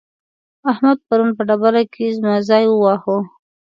احمد پرون په ډبره کې زما ځای وواهه.